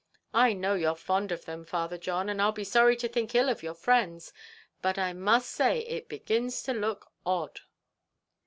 I know you're fond of them, Father John, and I'd be sorry to think ill of your friends; but I must say it begins to look odd."